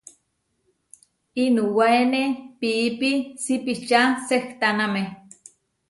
Inuwáene piípi sipiča sehtáname.